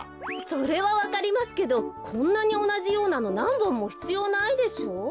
それはわかりますけどこんなにおなじようなのなんぼんもひつようないでしょ？